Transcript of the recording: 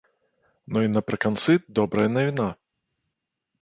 Ну і напрыканцы добрая навіна.